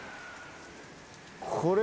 これ。